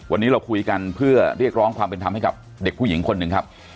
วันนี้เราคุยกันเพื่อเรียกร้องความเป็นธรรมให้กับเด็กผู้หญิงคนหนึ่งครับ